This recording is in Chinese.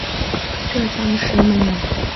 浙江石门人。